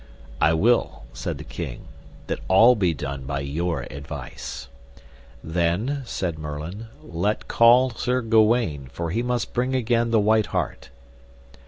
I will, said the king, that all be done by your advice. Then, said Merlin, let call Sir Gawaine, for he must bring again the white hart.